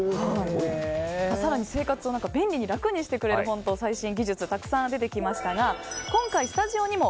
更に生活を便利に楽にしてくれる最新技術がたくさん出てきましたが今回、スタジオにも